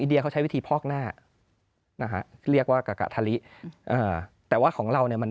เดียเขาใช้วิธีพอกหน้านะฮะเรียกว่ากะทะลิแต่ว่าของเราเนี่ยมัน